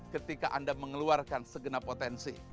ketika anda mengeluarkan segenap potensi